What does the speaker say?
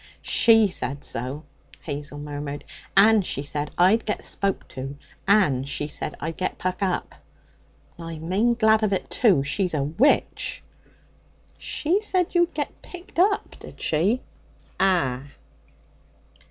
'She said so,' Hazel murmured. 'And she said I'd get spoke to, and she said I'd get puck up. I'm main glad of it, too. She's a witch.' 'She said you'd get picked up, did she?' 'Ah.'